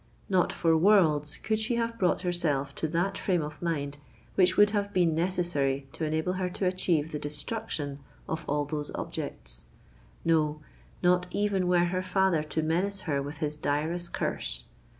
Not for worlds could she have brought herself to that frame of mind which would have been necessary to enable her to achieve the destruction of all those objects,—no—not even were her father to menace her with his direst curse!